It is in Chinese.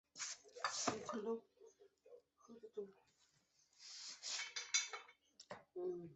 上深沟堡墓群的历史年代为汉代。